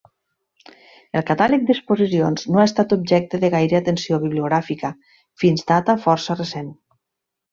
El catàleg d'exposicions no ha estat objecte de gaire atenció bibliogràfica fins data força recent.